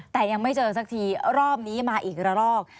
แต่ยังไม่เจอสักทีรอบนี้มาอีกละรอก